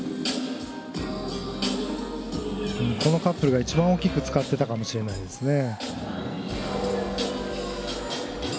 このカップルが一番大きく使っていたかもしれないです。